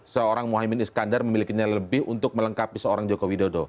seorang muhyiddin iskandar memilikinya lebih untuk melengkapi seorang jokowi dodo